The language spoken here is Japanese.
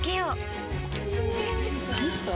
ミスト？